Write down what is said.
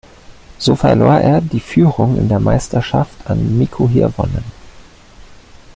So verlor er die Führung in der Meisterschaft an Mikko Hirvonen.